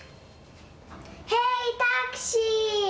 へいタクシー！